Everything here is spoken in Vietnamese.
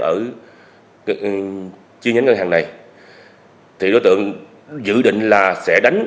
ở chi nhánh ngân hàng này thì đối tượng dự định là sẽ đánh